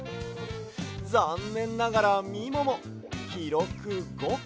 ざんねんながらみももきろく５こ。